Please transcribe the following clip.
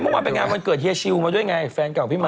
ไม่มันก็มีการบริเวณเกิดเฮียชิลมาด้วยไงแฟนกล่องพี่มั๋